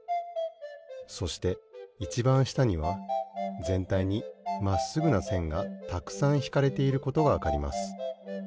そしていちばんしたにはぜんたいにまっすぐなせんがたくさんひかれていることがわかります。